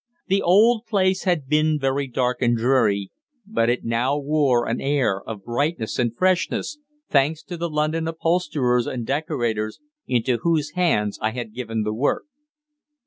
The old place had been very dark and dreary, but it now wore an air of brightness and freshness, thanks to the London upholsterers and decorators into whose hands I had given the work.